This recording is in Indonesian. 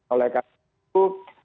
oleh karena itu